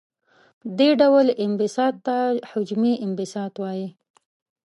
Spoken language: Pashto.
دې ډول انبساط ته حجمي انبساط وايي.